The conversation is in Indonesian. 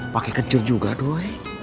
pakai kencur juga doi